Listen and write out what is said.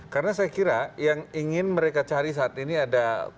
karena saya kira yang ingin mereka cari saat ini adalah